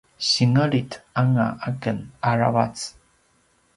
singelit anga aken aravac